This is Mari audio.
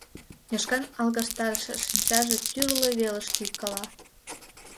Йошкан алгаштарыше шинчаже тӱрлӧ велыш лӱйкала.